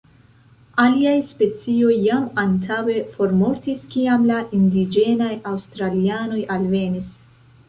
Aliaj specioj jam antaŭe formortis kiam la indiĝenaj aŭstralianoj alvenis.